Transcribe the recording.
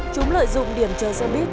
chúng lợi dụng điểm chơi xe buýt